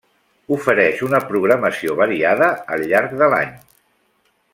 Ofereix una programació variada al llarg de l'any.